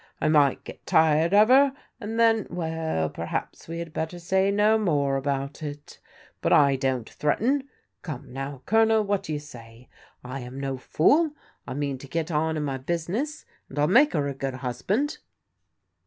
I might get tired of her, and then, — ^well, perhaps we had better say no more about it But I don't threaten. Come now. Colonel, what do you say ? I am no fool. I mean to get on in my business, and I'll make her a good I husband."